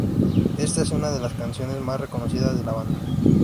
Esta es una de las canciones más reconocidas de la banda.